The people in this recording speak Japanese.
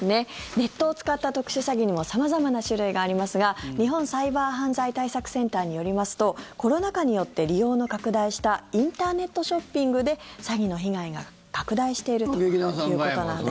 ネットを使った特殊詐欺にも様々な種類がありますが日本サイバー犯罪対策センターによりますとコロナ禍によって利用の拡大したインターネットショッピングで詐欺の被害が拡大しているということです。